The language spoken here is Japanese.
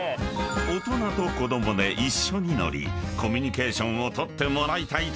［大人と子供で一緒に乗りコミュニケーションを取ってもらいたいという狙いが］